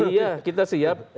iya kita siap